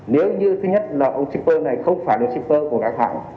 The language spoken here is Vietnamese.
nếu như thứ nhất là ông shipper này không phải là shipper của các hãng